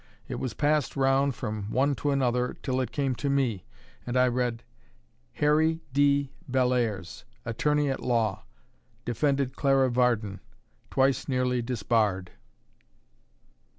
It was passed round from one to another till it came to me, and I read: "Harry D. Bellairs, Attorney at Law; defended Clara Varden; twice nearly disbarred."